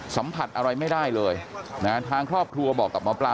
สัมผัสอะไรไม่ได้เลยนะทางครอบครัวบอกกับหมอปลา